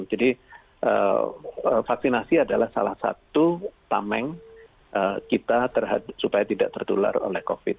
vaksinasi adalah salah satu tameng kita supaya tidak tertular oleh covid